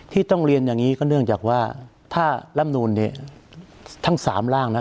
ที่ต้องเรียนอย่างนี้ก็เนื่องจากว่าถ้าร่ำนูนเนี่ยทั้ง๓ร่างนะ